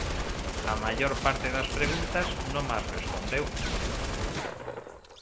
A maior parte das preguntas non mas respondeu.